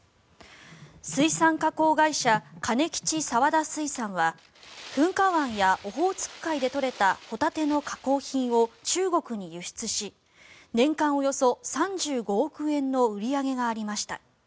水産加工会社カネキチ澤田水産は噴火湾やオホーツク海で取れたホタテの加工品を中国に輸出し年間およそ３５億円の売り上げがありました。